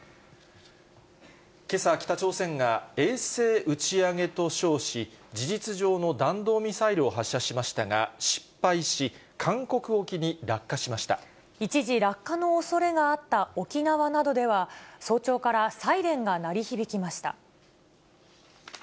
けさ、北朝鮮が衛星打ち上げと称し、事実上の弾道ミサイルを発射しましたが失敗し、韓国沖に落下しま一時、落下のおそれがあった沖縄などでは、早朝からサイレンが鳴り響きました。